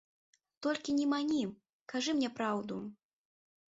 Толькі не мані, кажы мне праўду.